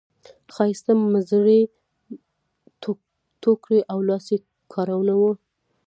ښایسته مزري ټوکري او لاسي کارونه وو.